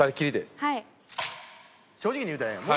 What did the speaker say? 正直に言うたらええやん。